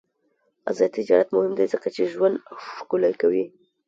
آزاد تجارت مهم دی ځکه چې ژوند ښکلی کوي.